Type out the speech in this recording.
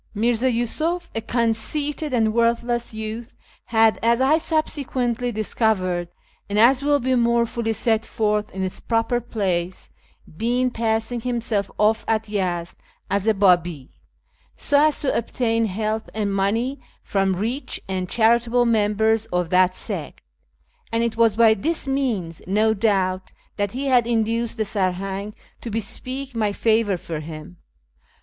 Mirza Yusuf, a conceited and worthless youth, had, as I subsequently dis covered, and as will be more fully set forth in its proper place, been passing himself off at Yezd as a Babi, so as to obtain help and money from rich and charitable members of that sect; and it was by this means, no doubt, that he had induced, the Sarhang to bespeak my favour for him.